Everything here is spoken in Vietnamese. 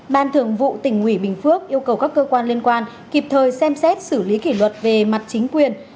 ban thường vụ tỉnh ủy bình phước yêu cầu các cơ quan liên quan kịp thời xem xét xử lý kỷ luật về mặt chính quyền